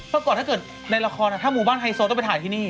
ปรากฏถ้าเกิดในละครถ้าหมู่บ้านไฮโซต้องไปถ่ายที่นี่